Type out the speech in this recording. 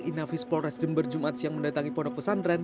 inafis polres jember jumat siang mendatangi pondok pesantren